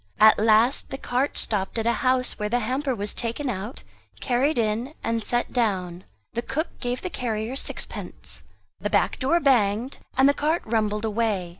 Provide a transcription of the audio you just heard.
At last the cart stopped at a house, where the hamper was taken out, carried in, and set down. The cook gave the carrier sixpence; the back door banged, and the cart rumbled away.